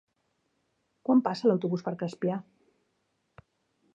Quan passa l'autobús per Crespià?